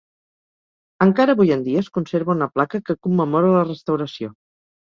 Encara avui en dia es conserva una placa que commemora la restauració.